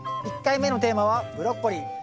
１回目のテーマはブロッコリー。